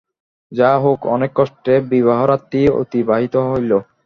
যাহা হউক, অনেক কষ্টে বিবাহরাত্রি অতিবাহিত হইল।